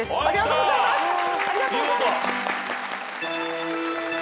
ありがとうございます！